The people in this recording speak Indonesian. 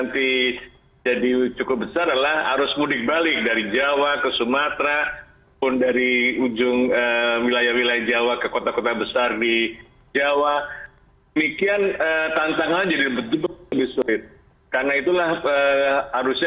tidak terlalu tinggi kita melihat adanya